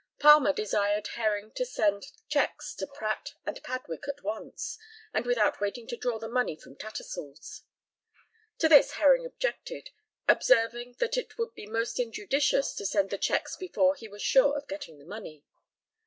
Palmer desired Herring to send cheques to Pratt and Padwick at once, and without waiting to draw the money from Tattersall's. To this Herring objected, observing that it would be most injudicious to send the cheques before he was sure of getting the money.